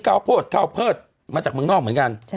กาวเพิดมาจากเมืองนอกเหมือนกัน